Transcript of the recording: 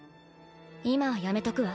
今はやめとくわ。